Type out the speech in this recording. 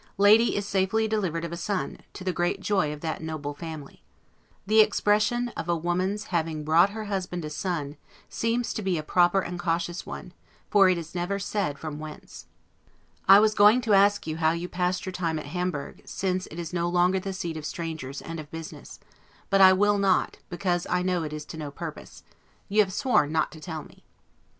Lady is safely delivered of a son, to the great joy of that noble family. The expression, of a woman's having brought her husband a son, seems to be a proper and cautious one; for it is never said from whence. I was going to ask you how you passed your time now at Hamburg, since it is no longer the seat of strangers and of business; but I will not, because I know it is to no purpose. You have sworn not to tell me.